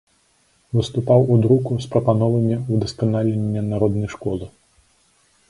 Выступаў у друку з прапановамі ўдасканалення народнай школы.